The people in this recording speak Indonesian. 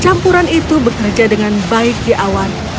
campuran itu bekerja dengan baik di awan